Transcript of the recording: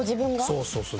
そうそうそう。